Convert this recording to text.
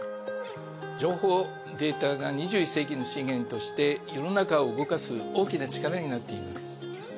情報データが２１世紀の資源として世の中を動かす大きな力になっています。